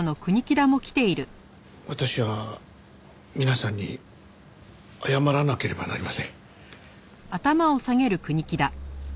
私は皆さんに謝らなければなりません。